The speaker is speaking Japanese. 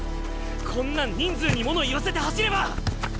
こんなん人数に物言わせて走れば。